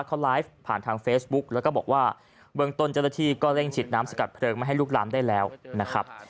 เขาไลฟ์ผ่านทางเฟซบุ๊กแล้วก็บอกว่าเบื้องต้นเจ้าหน้าที่ก็เร่งฉีดน้ำสกัดเพลิงไม่ให้ลูกลามได้แล้วนะครับ